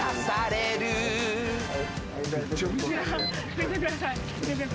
拭いてください。